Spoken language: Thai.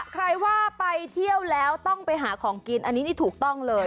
ใครว่าไปเที่ยวแล้วต้องไปหาของกินอันนี้นี่ถูกต้องเลย